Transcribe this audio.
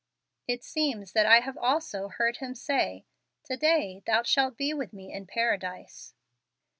It seems that I have also heard Him say, 'To day thou shalt be with me in Paradise.'"